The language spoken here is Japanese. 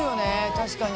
確かに。